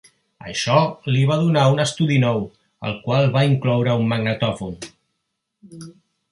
Això li va donar un estudi nou, el qual va incloure un magnetòfon.